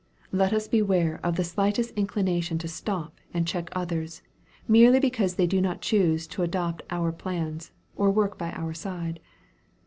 Let us beware of the slightest inclination to stop and check others, merely because they do not choose to adopt our plans, or work by our side.